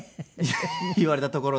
言われたところで。